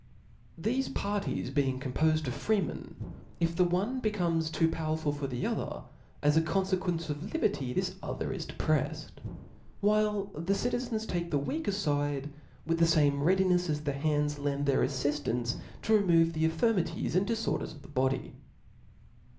Theft parties being compoled of freemen, if the one becomes too powerful for the Other, as a con iequence of liberty, this other is depre(&d ; while the citizens take^ the weaker fide, with the (zmt readinefs as the hands lend their afiiftance to remove the infirmities and diforders of the body.